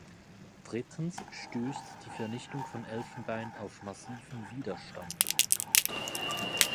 Drittens stößt die Vernichtung von Elfenbein auf massiven Widerstand.